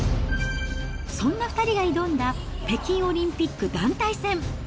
そんな２人が挑んだ北京オリンピック団体戦。